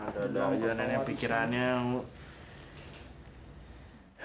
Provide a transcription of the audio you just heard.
jodoh aja nenek pikirannya bu